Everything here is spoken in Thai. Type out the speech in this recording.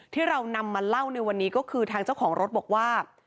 ที่เรานำมาเล่าในวันนี้ก็คือทางเจ้าของรถบอกว่า